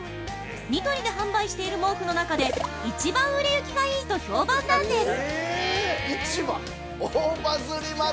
ニトリで販売している毛布の中で一番売れ行きがいいと評判なんです。